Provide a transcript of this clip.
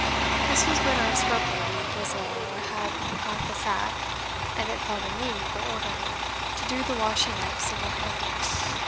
This was when our scrub lady was ill or had "got the sack" and it fell to me, the orderly, to do the washing up single handed.